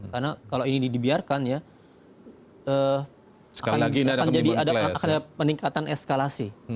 karena kalau ini dibiarkan ya akan jadi ada peningkatan eskalasi